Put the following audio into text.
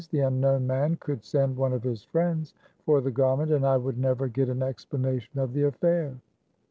The unknown man could send one of his friends for the garment, and I would neve] get an explanation of the affair.